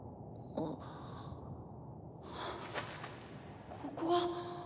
あここは。